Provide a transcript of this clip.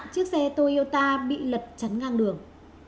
chiếc xe toyota bị lật chắn ngang đường